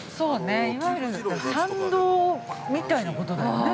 ◆いわゆる参道みたいなことだね。